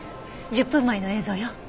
１０分前の映像よ。